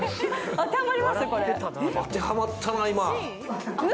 当てはまったなー、今。